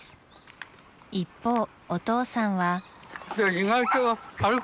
［一方お父さんは］